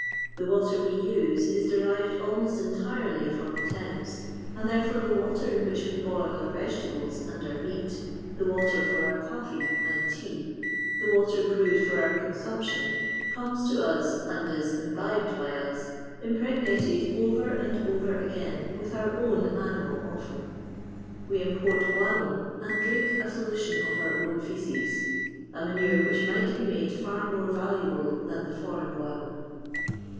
The water we use is derived almost entirely from the Thames, and therefore the water in which we boO our vegetables and our meat, the waiter for our ci»ffe« and tea, the water brewed for our con Mini ption, cornel to us, and is imbibed by us, impregnated over and over again with our own animal oifal. We import guano, and drink a solution of our own faeces : a manure which might be made far more valuabu: than the foreign guano.